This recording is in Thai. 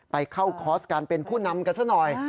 ไปเข้าคอร์สการเป็นผู้นำกันซะหน่อย